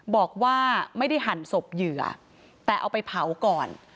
บอกว่าไม่ได้หั่นศพเหยื่อแต่เอาไปเผาก่อน